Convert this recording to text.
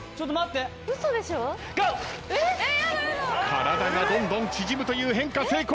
体がどんどん縮むという変化成功！